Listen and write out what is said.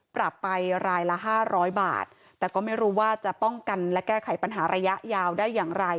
ปรับไปรายละห้าร้อยบาทแต่ก็ไม่รู้ว่าจะป้องกันและแก้ไขปัญหาระยะยาวได้อย่างไร